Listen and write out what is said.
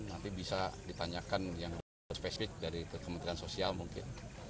nanti bisa ditanyakan yang spesifik dari kementerian sosial mungkin